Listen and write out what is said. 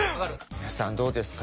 皆さんどうですか？